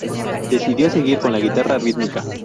Decidió seguir con la guitarra rítmica.